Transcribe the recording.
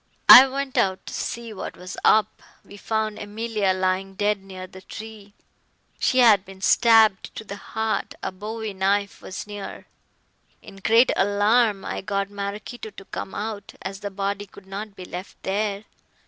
"I went out to see what was up. We found Emilia lying dead near the tree. She had been stabbed to the heart. A bowie knife was near. In great alarm I got Maraquito to come out, as the body could not be left there.